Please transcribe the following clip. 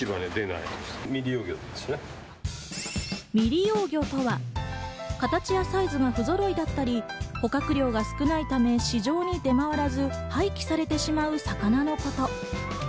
未利用魚とは形やサイズがふぞろいだったり、漁獲量が少ないため市場に出回らず、廃棄されてしまう魚のこと。